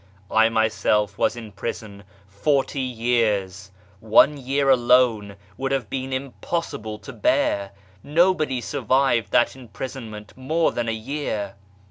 I myself was in prison forty years one year alone would have been impossible to bear nobody survived that imprisonment more than a year